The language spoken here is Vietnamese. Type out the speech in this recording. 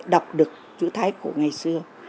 đọc được chữ thái cổ ngày xưa